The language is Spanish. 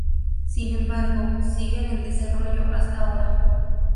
Sin embargo, siguen en desarrollo hasta ahora.